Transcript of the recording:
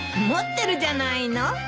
持ってるじゃないの。